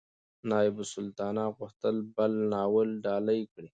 نایبالسلطنه غوښتل بل ناول ډالۍ کړي.